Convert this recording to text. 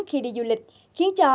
khi đi du lịch khiến cho